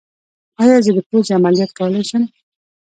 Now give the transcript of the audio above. ایا زه د پوزې عملیات کولی شم؟